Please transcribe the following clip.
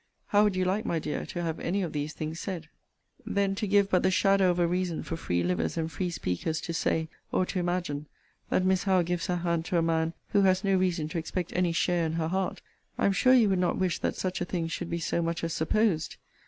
How would you like, my dear, to have any of these things said? Then to give but the shadow of a reason for free livers and free speakers to say, or to imagine, that Miss Howe gives her hand to a man who has no reason to expect any share in her heart, I am sure you would not wish that such a thing should be so much as supposed.